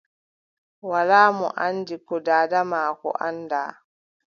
Walaa mo anndi ko daada maako anndaa.